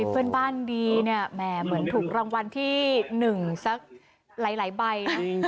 เพื่อนบ้านดีเหมือนถูกรางวัลที่๑ซักหลายใบ